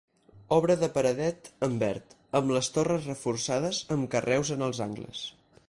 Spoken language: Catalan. Obra de paredat en verd, amb les torres reforçades amb carreus en els angles.